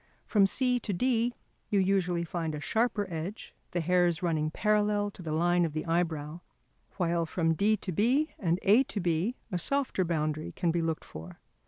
From C to D you usually find a sharper edge, the hairs running parallel to the line of the eyebrow, while from D to B and A to B a softer boundary can be looked for.